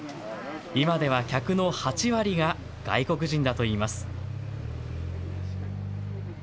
今では客の８割が外国人だといいます。